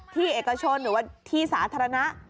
เอกชนหรือว่าที่สาธารณะ